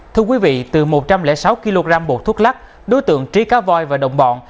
thưa quý vị từ một trăm linh sáu kg bột thuốc lắc đối tượng trí cá voi và đồng bọn